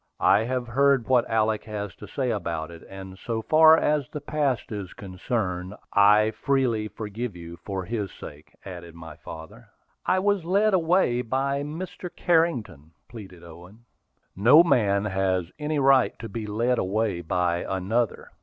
"I have heard what Alick has to say about it; and so far as the past is concerned, I freely forgive you for his sake," added my father. "I was led away by Mr. Carrington," pleaded Owen. "No man has any right to be led away by another.